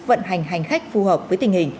vận hành hành khách phù hợp với tình hình